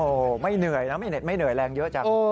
โอ้ไม่เหนื่อยนะไม่เหนื่อยแรงเยอะจัง